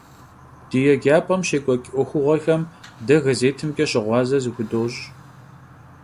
Di yêcap'em şêk'ueç' 'uexuğuexem de gazêtımç'e şığuaze zıxudoş'.